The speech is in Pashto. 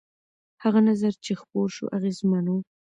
هغه نظر چې خپور شو اغېزمن و.